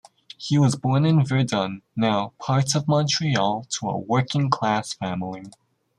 He was born in Verdun, now part of Montreal, to a working-class family.